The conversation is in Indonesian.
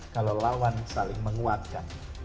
kalau lawan saling menguatkan